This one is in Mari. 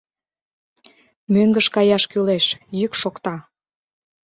Мӧҥгыш каяш кӱлеш, — йӱк шокта.